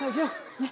ねっ。